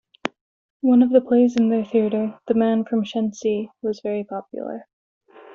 One of the plays in their theatre, "The Man from Shensi", was very popular.